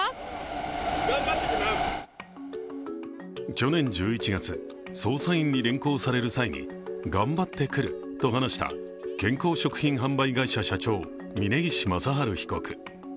去年１１月捜査員に連行される際に頑張ってくると話した健康食品販売会社社長、峯岸正治被告。